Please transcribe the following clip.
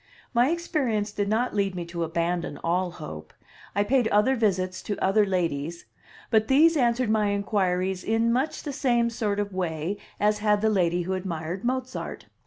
My experience did not lead me to abandon all hope. I paid other visits to other ladies; but these answered my inquiries in much the same sort of way as had the lady who admired Mozart.